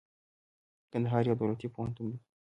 کندهار يو دولتي پوهنتون لري.